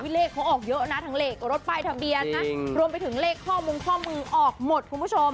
เลขเขาออกเยอะนะทั้งเลขรถป้ายทะเบียนนะรวมไปถึงเลขข้อมงข้อมือออกหมดคุณผู้ชม